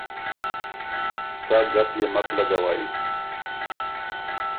سۀ ګپ يې مک لګوئ۔